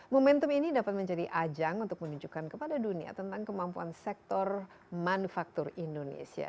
momentum ini dapat menjadi ajang untuk menunjukkan kepada dunia tentang kemampuan sektor manufaktur indonesia